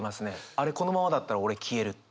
あれこのままだったら俺消えるって。